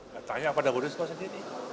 katanya pada gua risma sendiri